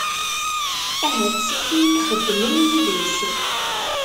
Ahat si tid i ixeddmen yid-s?